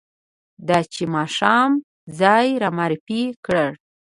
ده چې ماښام ځان را معرفي کړ.